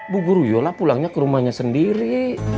bu guru yola pulangnya ke rumahnya sendiri